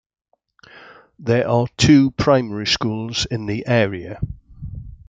There are two primary schools in the area.